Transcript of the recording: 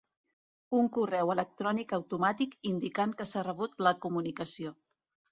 Un correu electrònic automàtic indicant que s'ha rebut la comunicació.